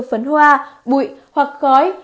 phấn hoa bụi hoặc khói